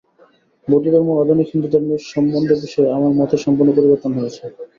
বৌদ্ধধর্ম ও আধুনিক হিন্দুধর্মের সম্বন্ধ-বিষয়ে আমার মতের সম্পূর্ণ পরিবর্তন হয়েছে।